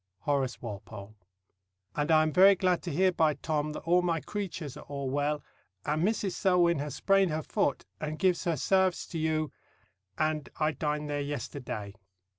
HORACE WALPOLE. and I am very glad to hear by Tom that all my cruatuars are all wall. and Mrs. Selwyn has sprand her Fot and givs her Sarves to you and I dind ther yester Day.